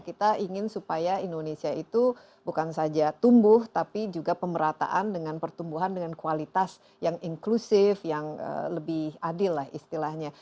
kita ingin supaya indonesia itu bukan saja tumbuh tapi juga pemerataan dengan pertumbuhan dengan kualitas yang inklusif yang lebih adil lah istilahnya